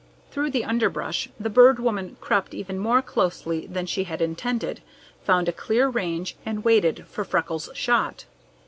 Through the underbrush the Bird Woman crept even more closely than she had intended, found a clear range, and waited for Freckles' shot.